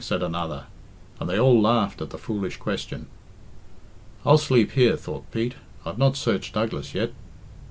said another, and they all laughed at the foolish question. "I'll sleep here," thought Pete. "I've not searched Douglas yet."